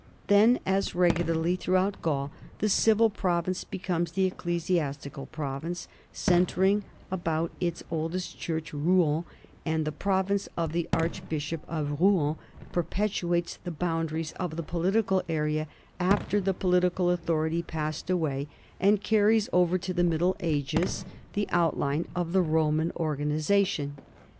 Then, as regularly throughout Gaul, the civil province becomes the ecclesiastical province, centring about its oldest church, Rouen, and the province of the archbishop of Rouen perpetuates the boundaries of the political area after the political authority passed away, and carries over to the Middle Ages the outline of the Roman or ganization.